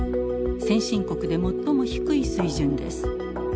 先進国で最も低い水準です。